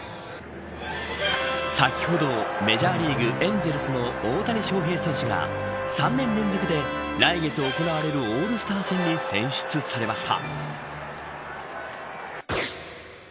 先ほどメジャーリーグ、エンゼルスの大谷翔平選手が３年連続で来月行われるオールスター戦に選出されました。